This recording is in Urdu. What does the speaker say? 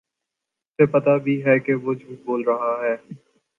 اُسے پتہ بھی ہے کہ وہ جھوٹ بول رہا ہے